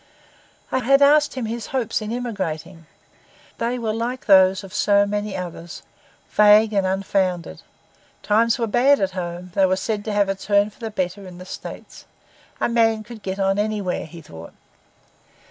I had asked him his hopes in emigrating. They were like those of so many others, vague and unfounded; times were bad at home; they were said to have a turn for the better in the States; a man could get on anywhere, he thought.